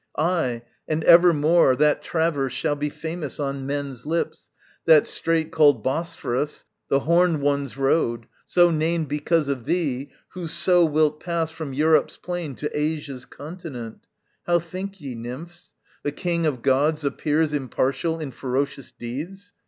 Ay, and evermore That traverse shall be famous on men's lips, That strait, called Bosphorus, the horned one's road, So named because of thee, who so wilt pass From Europe's plain to Asia's continent. How think ye, nymphs? the king of gods appears Impartial in ferocious deeds?